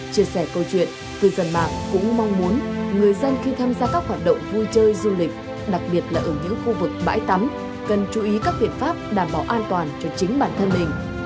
chia sẻ câu chuyện cư dân mạng cũng mong muốn người dân khi tham gia các hoạt động vui chơi du lịch đặc biệt là ở những khu vực bãi tắm cần chú ý các biện pháp đảm bảo an toàn cho chính bản thân mình